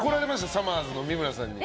さまぁずの三村さんに。